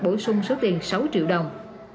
bổ sung số tiền sáu triệu đồng